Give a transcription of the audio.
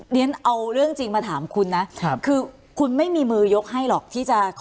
เรียนเอาเรื่องจริงมาถามคุณนะคือคุณไม่มีมือยกให้หรอกที่จะ